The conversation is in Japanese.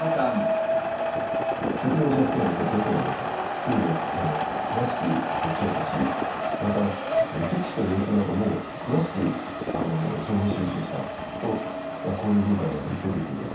敵の弱点が一体どこなのかというのを詳しく調査しまた敵地の様子なども詳しく情報収集したと「甲陽軍鑑」などに出てきます。